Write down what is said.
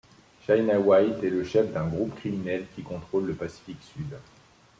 China White était la chef d'un groupe criminel qui contrôle le Pacifique Sud.